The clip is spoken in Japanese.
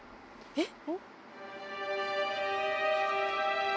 えっ？